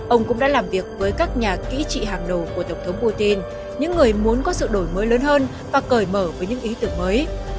ông cũng đã làm việc với các nhà kỹ trị hàng đầu của tổng thống putin những người muốn có sự đổi mới lớn hơn và cởi mở với những ý tưởng mới